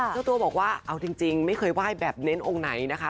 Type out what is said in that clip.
เจ้าตัวบอกว่าเอาจริงไม่เคยไหว้แบบเน้นองค์ไหนนะคะ